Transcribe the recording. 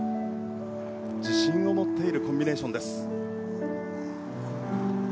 自信を持っているコンビネーションです。